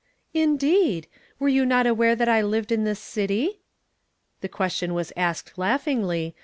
"Indeed! were you not aware that I lived in this city?" The question was asked laughingly.